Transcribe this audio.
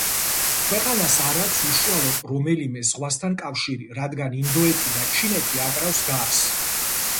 ქვეყანას არ აქვს უშუალოდ რომელიმე ზღვასთან კავშირი, რადგან ინდოეთი და ჩინეთი აკრავს გარს.